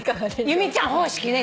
由美ちゃん方式ね。